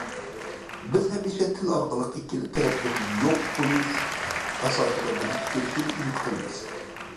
بىز ھەمىشە تىل ئارقىلىق ئىككىلا تەرەپنىڭ يوق قۇيۇش ئاساسىدا بىرلىككە كېلىشنى ئۈمىد قىلىمىز.